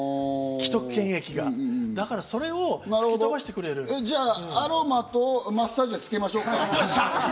既得権益がそれを吹き飛ばしてくれじゃあアロマとマッサージをつけましょうか？